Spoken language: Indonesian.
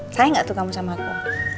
sayang gak tuh kamu sama aku